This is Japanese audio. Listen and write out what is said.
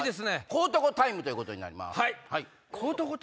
小男タイムということになります。